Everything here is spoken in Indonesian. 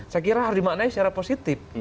saya kira harus dimaknai secara positif